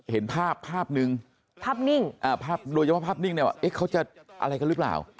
เห็นภาพภาพหนึ่งภาพนิ่งภาพโดยเฉพาะภาพนิ่งเนี่ยว่าเอ๊ะเขาจะอะไรกันหรือเปล่า